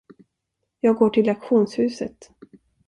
Jag går till auktionshuset.